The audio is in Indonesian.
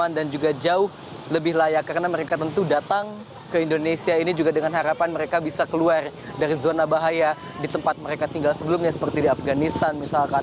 ada juga seorang istri dari seorang pencari suaka yang menyeberang jalan